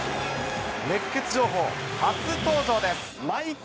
熱ケツ情報初登場です。